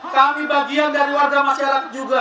kami bagian dari warga masyarakat juga